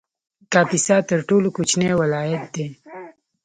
کاپیسا تر ټولو کوچنی ولایت دی